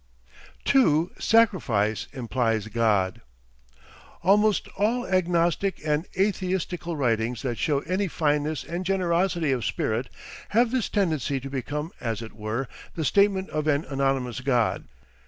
2. SACRIFICE IMPLIES GOD Almost all Agnostic and Atheistical writings that show any fineness and generosity of spirit, have this tendency to become as it were the statement of an anonymous God.